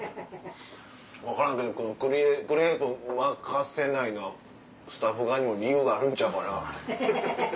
分からんけどクレープ巻かせないのはスタッフ側にも理由があるんちゃうかな。